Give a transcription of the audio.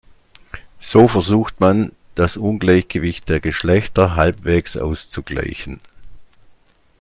So versucht man, das Ungleichgewicht der Geschlechter halbwegs auszugleichen.